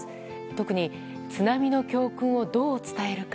特に、津波の教訓をどう伝えるか。